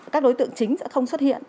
các đối tượng chính sẽ không xuất hiện